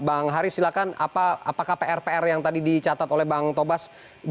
bang haris silahkan apakah pr pr yang tadi dicatat oleh bang tobas